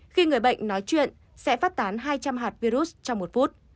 khi người bệnh nói chuyện sẽ phát tán hai trăm linh hạt virus trong một phút